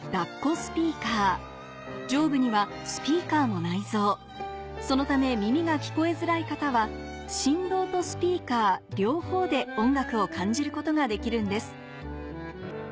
スピーカー上部にはスピーカーも内蔵そのため耳が聞こえづらい方は振動とスピーカー両方で音楽を感じることができるんです